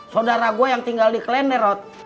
saudara gue yang tinggal di klender rod